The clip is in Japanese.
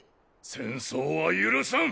戦争は許さん！